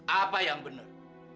apa yang bener